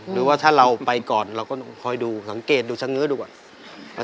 หรือว่าถ้าเราไปก่อนเราก็คอยดูสังเกตดูชะเง้อดูก่อน